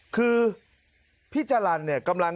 คือพี่จันลันกำลัง